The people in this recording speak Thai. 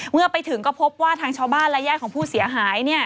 เมื่อไปถึงก็พบว่าทางชาวบ้านระยะของผู้เสียหายเนี่ย